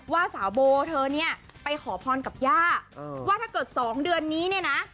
ว่าสาวโบเธอเนี่ยไปขอพรกับย่าว่าถ้าเกิดสองเดือนนี้เนี่ยนะ